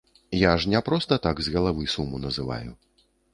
Я ж не проста так з галавы суму называю.